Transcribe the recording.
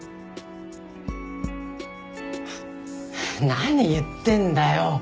何言ってんだよ。